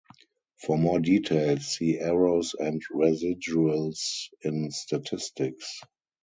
For more details, see errors and residuals in statistics.